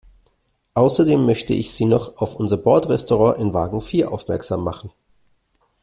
Außerdem möchte ich Sie noch auf unser Bordrestaurant in Wagen vier aufmerksam machen.